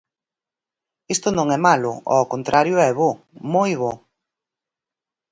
Isto non é malo, ao contrario é bo, moi bo.